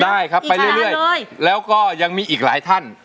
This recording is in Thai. ได้ครับไปเรื่อยแล้วก็ยังมีอีกหลายท่าน